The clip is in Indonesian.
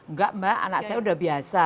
enggak mbak anak saya udah biasa